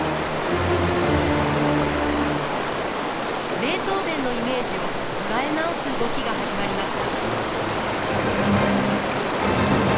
ベートーヴェンのイメージを捉え直す動きが始まりました。